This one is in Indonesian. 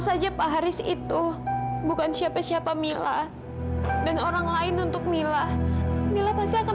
saja pak haris itu bukan siapa siapa mila dan orang lain untuk mila mila pasti akan